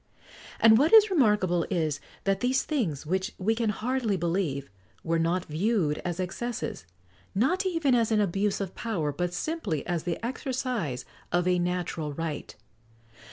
And what is remarkable is, that these things, which we can hardly believe, were not viewed as excesses, not even as an abuse of power, but simply as the exercise of a natural right.